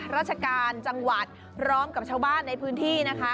ราชการจังหวัดพร้อมกับชาวบ้านในพื้นที่นะคะ